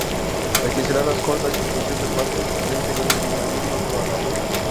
Las pinceladas cortas y con cierto empaste trasmiten gran dinamismo a toda la obra.